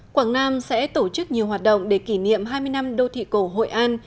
quảng nam sẽ tổ chức nhiều hoạt động để kỷ niệm hai mươi năm đô thị cổ hội an